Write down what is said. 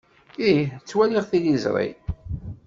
Eh, ttwaliɣ tiliẓri.